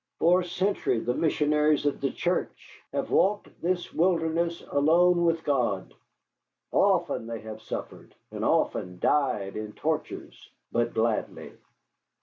For a century the missionaries of the Church have walked this wilderness alone with God. Often they have suffered, and often died in tortures but gladly."